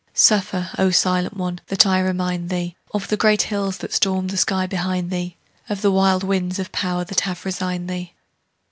Suffer, O silent one, that I remind thee Of the great hills that stormed the sky behind thee, Of the wild winds of power that have resigned thee.